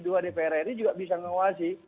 dua dpr ri juga bisa mengawasi